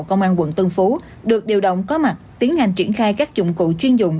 công an quận tân phú được điều động có mặt tiến hành triển khai các dụng cụ chuyên dụng